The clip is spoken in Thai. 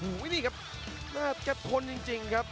ประโยชน์ทอตอร์จานแสนชัยกับยานิลลาลีนี่ครับ